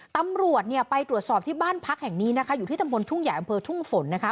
ตำรวจเนี่ยไปตรวจสอบที่บ้านพักแห่งนี้นะคะอยู่ที่ตำบลทุ่งใหญ่อำเภอทุ่งฝนนะคะ